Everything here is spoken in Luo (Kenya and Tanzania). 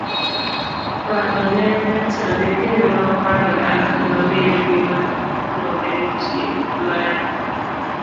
Paro ne ochande kendo noparo dala kuma min gi ma onyuole nitie, Emali.